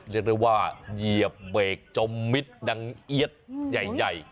เรียกได้ว่าเหยียบเบรกจมมิดดังเอี๊ยดใหญ่